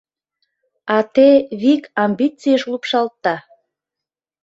А те вик амбицийыш лупшалтда.